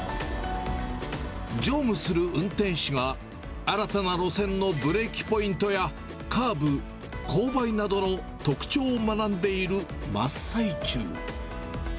乗務する運転士が新たな路線のブレーキポイントやカーブ、勾配などの特徴を学んでいる真っ最中。